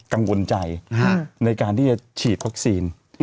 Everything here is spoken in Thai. กังวลใจในการที่จะฉีดวัคซีน